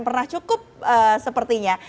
pernah cukup sepertinya